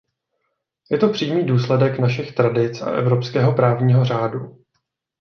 Je to přímý důsledek našich tradic a evropského právního řádu.